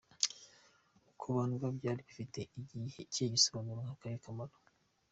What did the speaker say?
Kubandwa byari bifite ikihe gisobanuro n’akahe kamaro?.